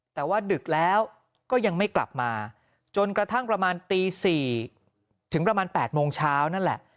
แต่ว่าดึกแล้วก็ยังไม่กลับมาจนกระทั่งประมาณตี๔ถึงประมาณ๘โมงเช้านั่นแหละ